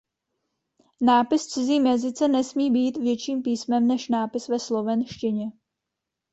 Nápis v cizím jazyce nesmí být větším písmem než nápis ve slovenštině.